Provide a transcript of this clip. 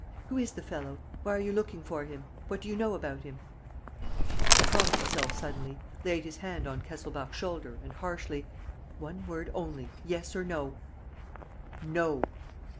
Who is the fellow? Why are you looking for him? What do you know about him?" He calmed himself suddenly, laid his hand on Kesselbach's shoulder and, harshly: "One word only. Yes or no?" "No!"